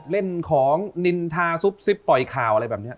เล่นของนินทาซุปซิบปล่อยข่าวอะไรแบบนี้